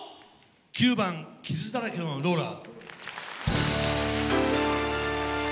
９番「傷だらけのローラ」。